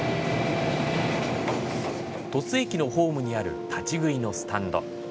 鳥栖駅のホームにある立ち食いのスタンド。